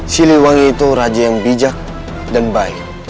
siliwangi itu raja yang bijak dan baik